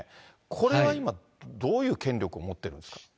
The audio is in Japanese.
これは今、どういう権力を持っているんですか？